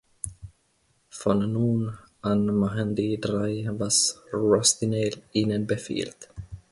Von nun an machen die drei, was „Rusty Nail“ ihnen befiehlt.